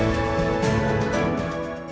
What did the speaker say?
ini gede sekali